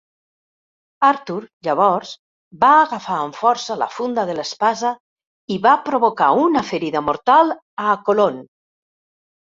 Artur, llavors, va agafar amb força la funda de l'espasa i va provocar una ferida mortal a Accolon.